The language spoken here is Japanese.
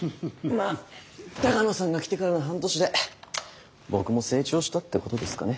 まあ鷹野さんが来てからの半年で僕も成長したってことですかね。